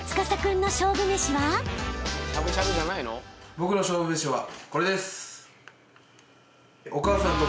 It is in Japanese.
僕の勝負めしはこれです。